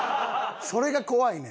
それが怖いねん。